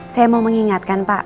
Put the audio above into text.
saya mau mengingatkan pak